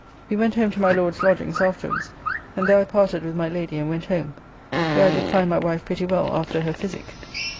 We went home to my Lord's lodgings afterwards, and there I parted with my Lady and went home, where I did find my wife pretty well after her physic.